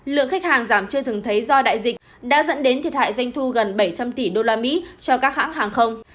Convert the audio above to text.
lượng khách hàng giảm chưa thường thấy do đại dịch đã dẫn đến thiệt hại doanh thu gần bảy trăm linh tỷ usd cho các hãng hàng không